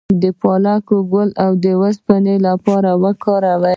د پالک ګل د اوسپنې لپاره وکاروئ